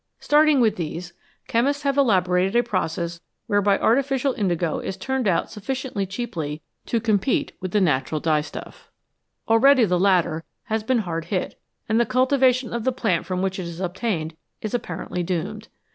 Starting with these, chemists have elaborated a process whereby artificial indigo is turned out sufficiently cheaply to compete with the natural dye stuff. Already the latter has been hard hit, and the cultivation of the plant from which it is obtained is apparently doomed.